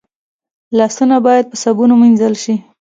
لاسونه باید په صابون ومینځل شي